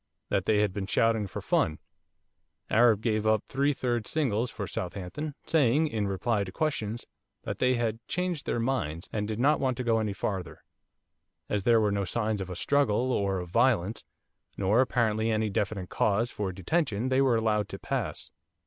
That they had been shouting for fun. Arab gave up three third singles for Southampton, saying, in reply to questions, that they had changed their minds, and did not want to go any farther. As there were no signs of a struggle or of violence, nor, apparently, any definite cause for detention, they were allowed to pass.